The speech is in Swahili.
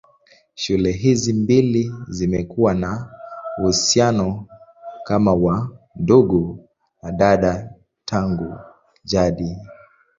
Shule hizi mbili zimekuwa na uhusiano kama wa ndugu na dada tangu jadi.